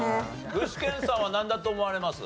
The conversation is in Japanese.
具志堅さんはなんだと思われます？